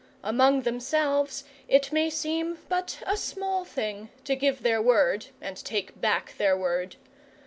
Among themselves it may seem but a small thing to give their word and take back their word.